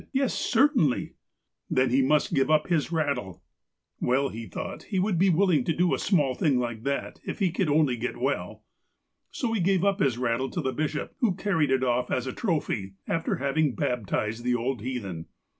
" Yes — certainly !" Then he must give up his rattle. "VYell, he thought he would be willing to do a small thing like that, if he could only get well. So he gave his rattle to the bishop, who carried it off as a trophy, after having baptized the old heathen.